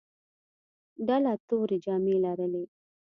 ډله تورې جامې لرلې.